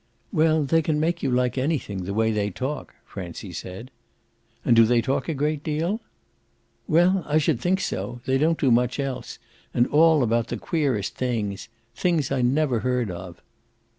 "Well, they can make you like anything, the way they talk," Francie said. "And do they talk a great deal?" "Well, I should think so. They don't do much else, and all about the queerest things things I never heard of."